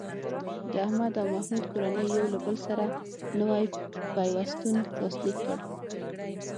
د احمد او محمود کورنۍ یو له بل سره نوی پیوستون لاسلیک کړ.